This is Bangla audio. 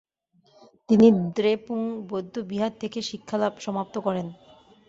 তিনি দ্রেপুং বৌদ্ধবিহার থেকে শিক্ষালাভ সমাপ্ত করেন।